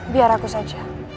biar aku saja